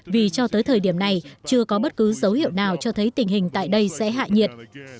vì cho tới thời điểm này chưa có bất cứ dấu hiệu nào cho thấy tình hình tại đây sẽ hạ nhiệt